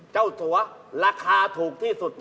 สัวราคาถูกที่สุด